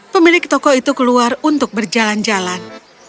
pemilik toko itu keluar untuk berjalan jalan